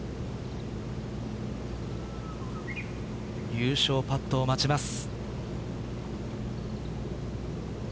優勝パットを待ちます。